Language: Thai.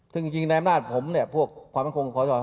จริงในอำนาจผมเนี่ยพวกความเป็นควงของของชาว